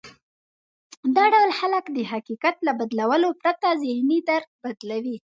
دا ډول خلک د حقيقت له بدلولو پرته ذهني درک بدلوي.